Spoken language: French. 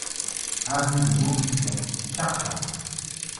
Avenue de Maubuisson, Carcans